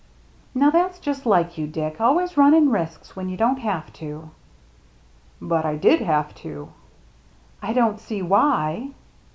"Now, that's just like you, Dick, always running risks when you don't have to." " But I did have to." " I don't see why."